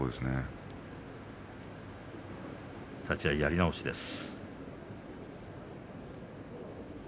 立ち合いやり直しです。